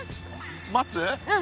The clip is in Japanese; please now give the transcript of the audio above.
待つ？